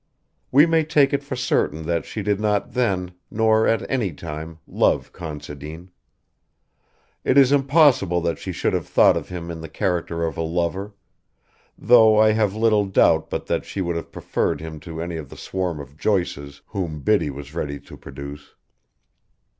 We may take it for certain that she did not then, nor at any time, love Considine. It is impossible that she should have thought of him in the character of a lover, though I have little doubt but that she would have preferred him to any of the swarm of Joyces whom Biddy was ready to produce.